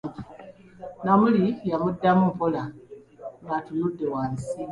Namuli yamuddanmu mpola ng'atunudde wansi.